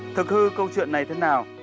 thực hư câu chuyện này thế nào